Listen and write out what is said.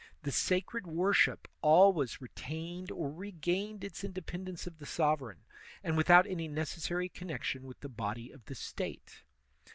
The sacred worship always retained or regained its independence of the sovereign, and without any necessary connection with the body of the State.